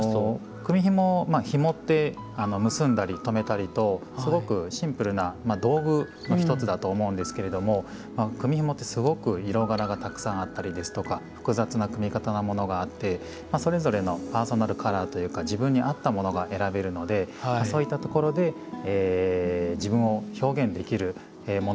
組みひもまあひもって結んだり留めたりとすごくシンプルな道具の一つだと思うんですけれども組みひもってすごく色柄がたくさんあったりですとか複雑な組み方のものがあってそれぞれのパーソナルカラーというか自分に合ったものが選べるのでそういったところで自分を表現できるものだと思っています。